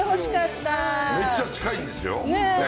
めっちゃ近いんですよ。